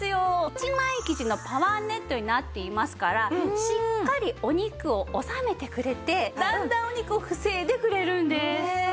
一枚生地のパワーネットになっていますからしっかりお肉を収めてくれて段々お肉を防いでくれるんです。